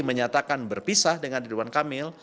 menyatakan berpisah dengan ridwan kamil